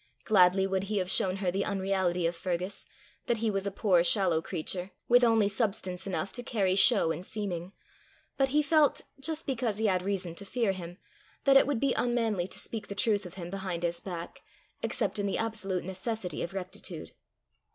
Gladly would he have shown her the unreality of Fergus that he was a poor shallow creature, with only substance enough to carry show and seeming, but he felt, just because he had reason to fear him, that it would be unmanly to speak the truth of him behind his back, except in the absolute necessity of rectitude.